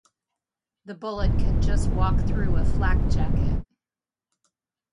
The bullet can just walk through a flak jacket.